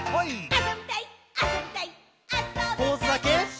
「あそびたいっ！！」